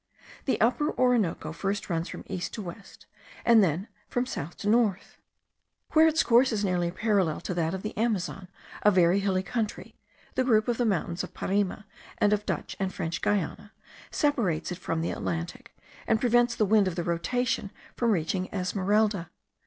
The Upper Orinoco first runs from east to west, and then from north to south. Where its course is nearly parallel to that of the Amazon, a very hilly country (the group of the mountains of Parima and of Dutch and French Guiana) separates it from the Atlantic, and prevents the wind of rotation from reaching Esmeralda.